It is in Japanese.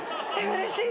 うれしい！